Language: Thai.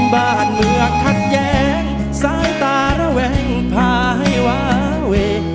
บ้านเหนือคัดแยงสายตาระแหว่งพายวาเว